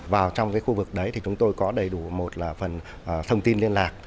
vào trong cái khu vực đấy thì chúng tôi có đầy đủ một là phần thông tin liên lạc